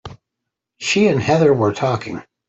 She and Heather were talking.